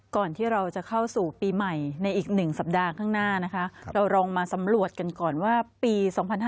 ก่อนที่เราจะเข้าสู่ปีใหม่ในอีก๑สัปดาห์ข้างหน้านะคะเราลองมาสำรวจกันก่อนว่าปี๒๕๕๙